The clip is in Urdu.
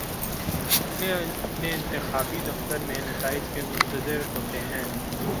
اپنے اپنے انتخابی دفاتر میں نتائج کے منتظر ہوتے ہیں